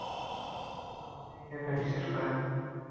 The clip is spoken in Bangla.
আর উনি এটা বিশ্বাস করে?